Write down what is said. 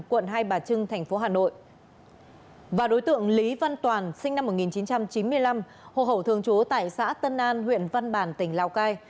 công an tp hcm đã ra quyết định truy nã đối với đối tượng nguyễn lương trung sinh năm một nghìn chín trăm chín mươi năm hồ khẩu thường chố tại xã tân an huyện văn bản tỉnh lào cai